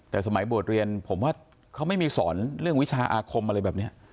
แต่สมัยบวชเรียนผมว่าเขาไม่มีสอนเรื่องวิชาอาคมอะไรแบบนี้